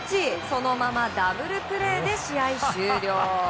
そのままダブルプレーで試合終了。